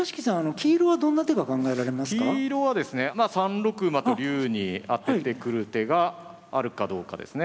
黄色はですねまあ３六馬と竜に当ててくる手があるかどうかですね。